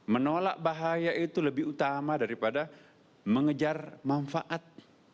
menolak bahaya itu lebih utama daripada mengejar manfaat